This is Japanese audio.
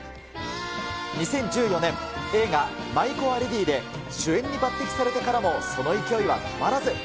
２０１４年、映画、舞妓はレディで主演に抜てきされてからも、その勢いは止まらず。